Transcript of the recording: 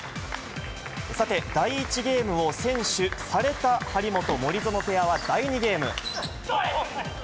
さて、第１ゲームを先取された張本・森薗ペアは第２ゲーム。